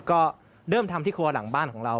ก็เริ่มทำที่ครัวหลังบ้านของเรา